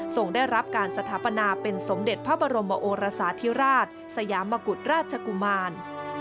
ได้รับการสถาปนาเป็นสมเด็จพระบรมโอรสาธิราชสยามกุฎราชกุมาร